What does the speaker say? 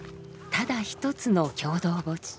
ただ一つの共同墓地。